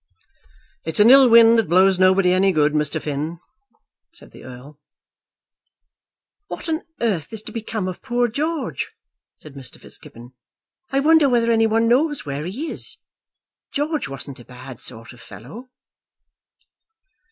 "It's an ill wind that blows nobody any good, Mr. Finn," said the Earl. "What on earth is to become of poor George?" said Mr. Fitzgibbon. "I wonder whether any one knows where he is. George wasn't a bad sort of fellow."